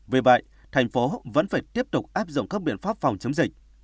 vì vậy tp hcm vẫn phải tiếp tục áp dụng các biện pháp phòng chống dịch